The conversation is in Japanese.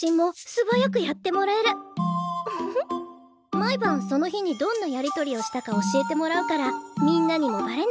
毎晩その日にどんなやり取りをしたか教えてもらうからみんなにもバレない。